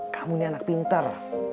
kamu nih anak pinter